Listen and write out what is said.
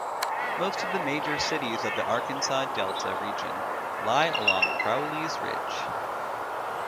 Most of the major cities of the Arkansas Delta region lie along Crowley's Ridge.